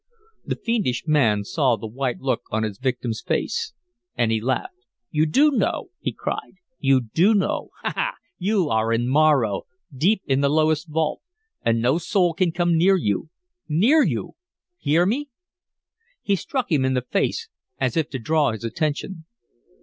The fiendish man saw the white look on his victim's face; and he laughed. "You do know!" he cried. "You do know! Ha! ha! You are in Morro, deep in the lowest vault! And no soul can come near you near you hear me?" He struck him in the face as if to draw his attention.